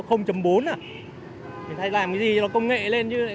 thì thay làm cái gì nó công nghệ lên chứ